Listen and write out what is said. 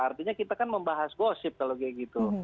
artinya kita kan membahas gosip kalau kayak gitu